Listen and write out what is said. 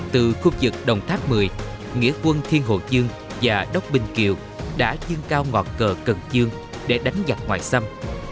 từ khu vực đồng tháp một mươi nghĩa quân thiên hồ dương và đốc binh kiều đã chương cao ngọt cờ cần dương để đánh giặc ngoài xâm